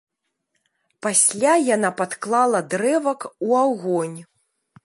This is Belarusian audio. Пасля яна падклала дрэвак у агонь.